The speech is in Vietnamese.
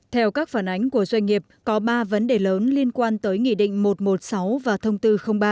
theo các phản ánh của doanh nghiệp có ba vấn đề lớn liên quan tới nghị định một trăm một mươi sáu và thông tư ba